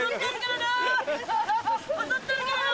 襲ったるからな！